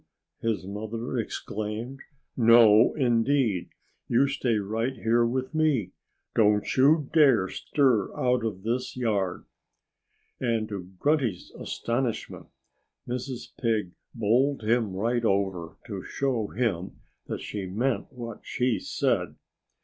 _" his mother exclaimed. "No, indeed! You stay right here with me! Don't you dare stir out of this yard!" And to Grunty's astonishment, Mrs. Pig bowled him right over, to show him that she meant what she said.